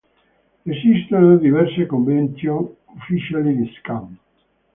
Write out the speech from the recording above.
Esistono diverse convention ufficiali di Skam.